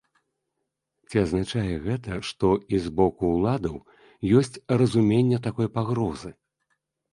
Ці азначае гэта, што і з боку ўладаў ёсць разуменне такой пагрозы?